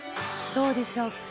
どうでしょうか？